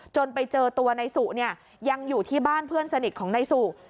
ไปเจอตัวนายสุเนี่ยยังอยู่ที่บ้านเพื่อนสนิทของนายสุ